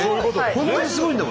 本当にすごいんだもんね